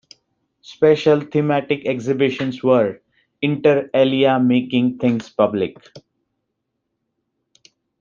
Special, thematic exhibitions were, inter alia Making Things Public.